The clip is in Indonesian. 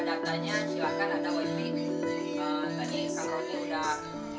tadi kang rody sudah berkata